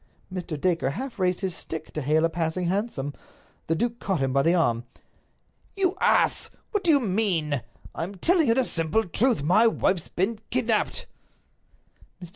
Mr. Dacre half raised his stick to hail a passing hansom. The duke caught him by the arm. "You ass! What do you mean? I am telling you the simple truth. My wife's been kidnaped." Mr.